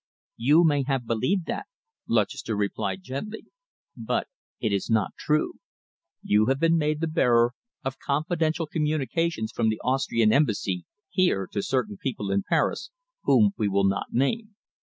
"You may have believed that," Lutchester replied gently, "but it is not true. You have been made the bearer of confidential communications from the Austrian Embassy here to certain people in Paris whom we will not name.